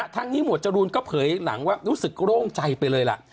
ทั้งนี้หมวดจรูนก็เผยหลังว่ารู้สึกโล่งใจไปเลยล่ะ